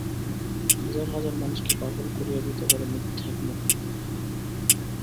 হাজার হাজার মানুষকে পাগল করিয়া দিতে পারে মিথ্যার মোহ।